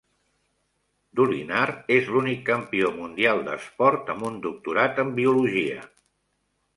Dolinar és l'únic campió mundial d'esport amb un doctorat en Biologia.